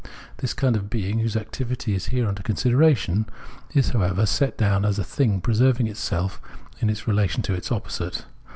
The kind of being, whose activity is here under consideration is, however, set down as a thing preserving itself in its relation to its opposite.